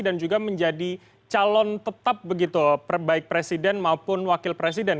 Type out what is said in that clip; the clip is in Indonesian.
dan juga menjadi calon tetap begitu baik presiden maupun wakil presiden